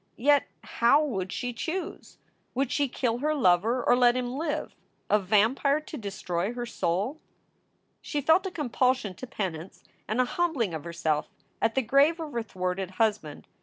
Yet how would she choose? Would she kill her lover or let him live, a vampire to destroy her soul ? She felt a compulsion to penance and a humbling of herself at the grave of her thwarted husband.